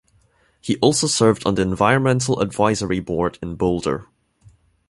He also served on the Environmental Advisory Board in Boulder.